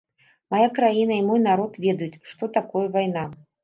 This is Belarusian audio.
Мая краіна і мой народ ведаюць, што такое вайна.